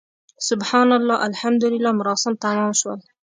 سبحان الله، الحمدلله مراسم تمام شول.